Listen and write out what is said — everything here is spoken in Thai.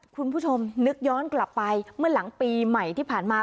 คุณผู้ชมนึกย้อนกลับไปเมื่อหลังปีใหม่ที่ผ่านมา